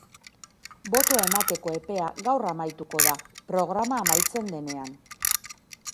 Botoa emateko epea gaur amaituko da, programa amaitzen denean.